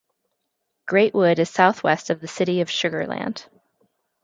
Greatwood is southwest of the city of Sugar Land.